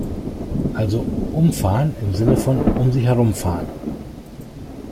Also umfahren im Sinne von "um sie herum fahren".